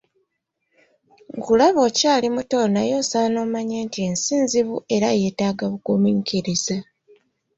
Nkulaba okyali muto naye osaana omanye nti ensi nzibu era yeetaaga bugumiikiriza.